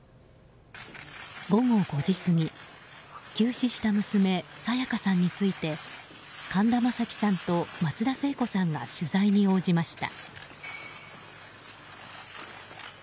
午後５時過ぎ、急死した娘沙也加さんについて神田正輝さんと松田聖子さんが取材に応じました。